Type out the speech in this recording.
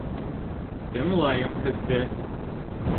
— Тыңлайым һеҙҙе...